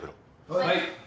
はい。